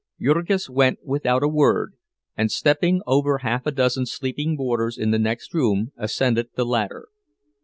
Jurgis went without a word, and, stepping over half a dozen sleeping boarders in the next room, ascended the ladder.